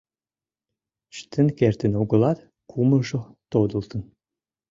Чытен кертын огылат, кумылжо тодылтын.